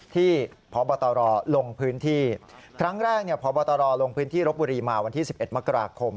ที่พบตรลงพื้นที่ครั้งแรกพบตรลงพื้นที่รบบุรีมาวันที่๑๑มกราคม